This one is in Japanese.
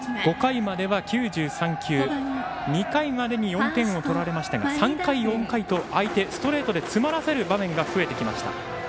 ５回までは９３球２回までに４点を取られましたが３回、４回と、相手をストレートで詰まらせる場面が増えてきました。